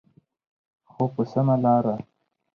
خو په سمه لاره.